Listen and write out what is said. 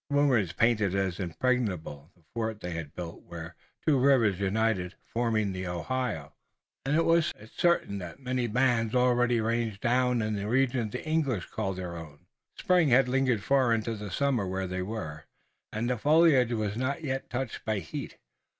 Rumor painted as impregnable the fort they had built where two rivers uniting formed the Ohio, and it was certain that many bands already ranged down in the regions the English called their own. Spring had lingered far into summer where they were, and the foliage was not yet touched by heat.